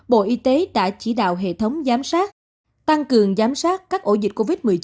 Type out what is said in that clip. bộ y tế đã chỉ đạo hệ thống giám sát tăng cường giám sát các ổ dịch covid một mươi chín